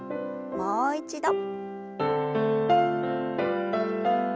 もう一度。